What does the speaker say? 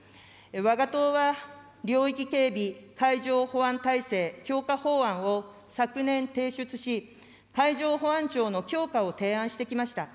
わが党は領域警備、海上保安体制強化法案を、昨年提出し、海上保安庁の強化を提案してきました。